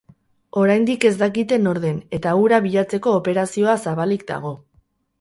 Oraindik ez dakite nor den eta hura bilatzeko operazioa zabalik dago.